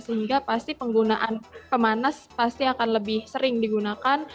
sehingga pasti penggunaan pemanas pasti akan lebih sering digunakan